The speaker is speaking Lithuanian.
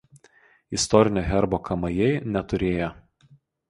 Istorinio herbo Kamajai neturėjo.